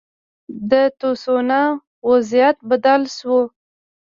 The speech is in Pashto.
د تسوانا وضعیت بدل شو.